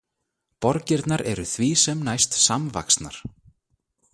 Borgirnar eru því sem næst samvaxnar.